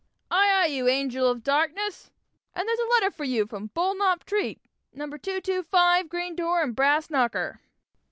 "Aye, aye! you angel of darkness, and there's a letter for you from Bullknop 'treet, number two two five green door and brass knocker!"